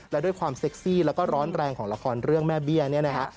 และด้วยความเซ็กซี่แล้วก็ร้อนแรงของละครเรื่องแม่เบี้ยเนี่ยนะฮะ